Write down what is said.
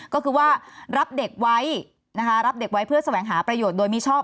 ก็คือว่ารับเด็กไว้เพื่อแสวงหาประโยชน์โดยมีชอบ